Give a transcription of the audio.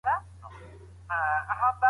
عام افغانان د نړیوالي ټولني بشپړ ملاتړ نه لري.